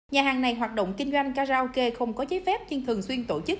nhà hàng này hoạt động kinh doanh karaoke không có giấy phép nhưng thường xuyên tổ chức